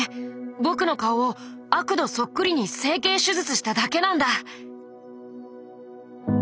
僕の顔をアクドそっくりに整形手術しただけなんだ」。